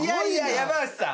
山内さん